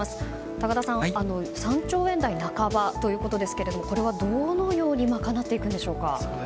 高田さん３兆円台半ばということですがこれは、どのように賄っていくんでしょうか？